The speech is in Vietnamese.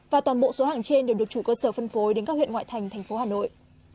và toàn bộ số hàng trên đều được chủ cơ sở phân phối đến các huyện ngoại thành thành phố hà nội